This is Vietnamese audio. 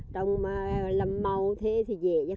trong mà làm mau thế thì dễ chứ